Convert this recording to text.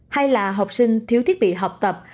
hay là học sinh thiếu thiết bị học tập